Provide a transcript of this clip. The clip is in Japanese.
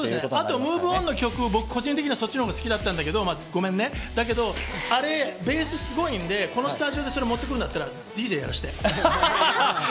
ＭｏｖｅＯｎの曲、個人的にはそっちのほうが好きだったんだけどごめんね、ベースがすごいので、このスタジオに持って来るんだったらＤＪやらせて。